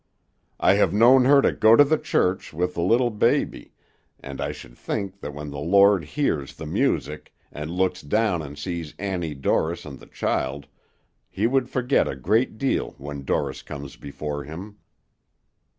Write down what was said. I have known her to go to the church with the little baby, and I should think that when the Lord hears the music, and looks down and sees Annie Dorris and the child, He would forget a great deal when Dorris comes before Him."